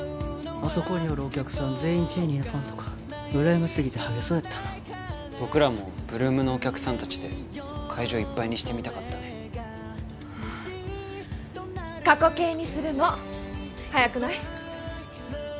あそこにおるお客さん全員ＣＨＡＹＮＥＹのファンとかうらやましすぎてハゲそうやったな僕らも８ＬＯＯＭのお客さんたちで会場いっぱいにしてみたかったね過去形にするの早くない？